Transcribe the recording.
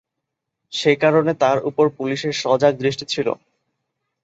সেকারণে তার উপর পুলিশের সজাগ দৃষ্টি ছিল।